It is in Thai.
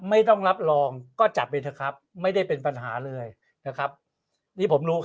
ไม่ต้องรับลองก็จัดไปครับไม่ได้เป็นปัญหาเลยครับนี้ผมรู้